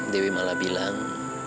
dewi malah bilang